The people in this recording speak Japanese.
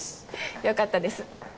よかったです。